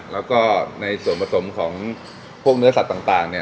แล้วก็ในส่วนผสมของพวกเนื้อสัตว์ต่างเนี่ย